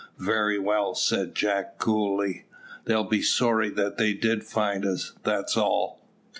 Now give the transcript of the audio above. "Very well," said Jack, coolly. "They'll be sorry that they did find us, that's all."